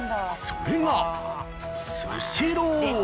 それが「スシロー」。